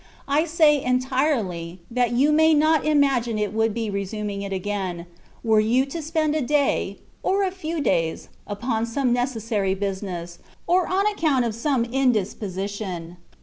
I say ^^ entirely/' that you may not im agine it would be resuming it again, were you to spend a day, or a few days, upon some necessary business, or on account of some indisposition.